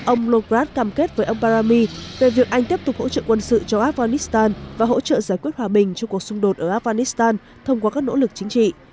ông lograd cam kết với ông parami về việc anh tiếp tục hỗ trợ quân sự cho afghanistan và hỗ trợ giải quyết hòa bình cho cuộc xung đột ở afghanistan thông qua các nỗ lực chính trị